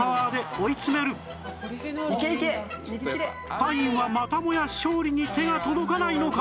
パインはまたもや勝利に手が届かないのか？